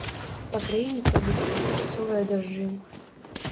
Па краіне пройдуць кароткачасовыя дажджы.